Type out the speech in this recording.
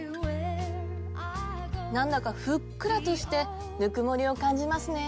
何だか「ふっくら」としてぬくもりを感じますね。